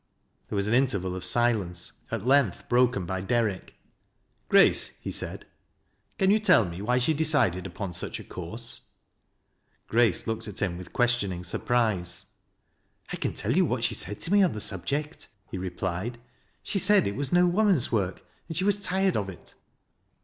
There was an interval of silence, at length broken \}\ I )errick. " Grace," he said, " can you tell me why she decide'' Vi\)aa. such a course ?" Grace looked at him. with questioning surprise. " I can tell you what she said to me on the aubject," h« 222 THAT LASS Q LO WRISa. replied. " Slie said it was no woman's work^ and she wai tired of it."